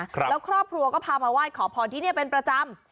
แล้วครอบครัวก็พามาไหว้ขอพรที่นี่เป็นประจำ